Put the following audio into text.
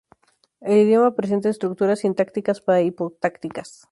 El idioma presenta estructuras sintácticas para-hipotácticas.